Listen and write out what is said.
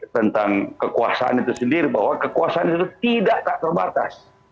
tentang kekuasaan itu sendiri bahwa kekuasaan itu tidak tak terbatas